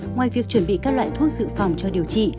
ngoài việc chuẩn bị các loại thuốc dự phòng cho điều trị